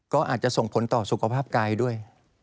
ก็อาจจะส่งผลต่อสุขภาพกายด้วย